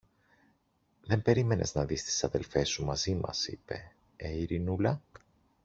Δεν περίμενες να δεις τις αδελφές σου μαζί μας, είπε, ε, Ειρηνούλα;